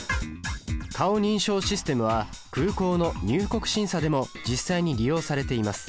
顔認証システムは空港の入国審査でも実際に利用されています。